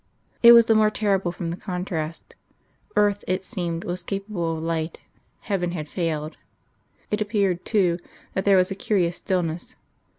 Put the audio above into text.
It was the more terrible from the contrast. Earth, it seemed, was capable of light; heaven had failed. It appeared, too, that there was a curious stillness.